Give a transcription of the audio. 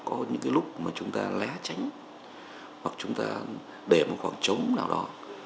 có những cái lúc mà chúng ta lé tránh hoặc chúng ta để một khoảng trống nào đó